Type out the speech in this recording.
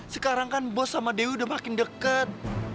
sekarang kan bos sama dewi udah makin deket